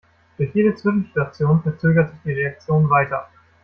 Durch jede Zwischenstation verzögert sich die Reaktion weiter.